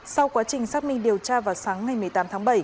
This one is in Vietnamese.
sau quá trình xác minh điều tra vào sáng ngày một mươi tám tháng bảy